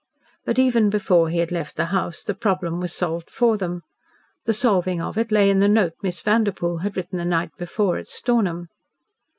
But, even before he had left the house, the problem was solved for them. The solving of it lay in the note Miss Vanderpoel had written the night before at Stornham.